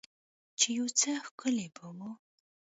چې يو څه ښکلي به وو.